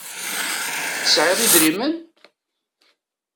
Tesεiḍ idrimen?